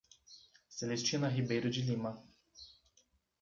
Celestina Ribeiro de Lima